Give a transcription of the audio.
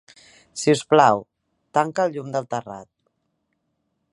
Si us plau, tanca el llum del terrat.